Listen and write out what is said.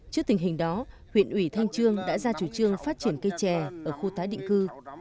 trước tình hình đó huyện ủy thanh trương đã ra chủ trương phát triển cây trè ở khu tái định cư